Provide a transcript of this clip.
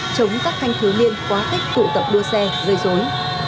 chống các thanh thiếu niên quá khích tụ tập đua xe gây dối